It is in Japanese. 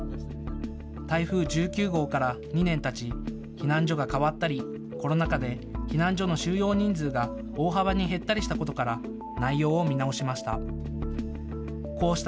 台風１９号から２年たち避難所が変わったりコロナ禍で避難所の収容人数が大幅に減ったりしたことから内容を見直しました。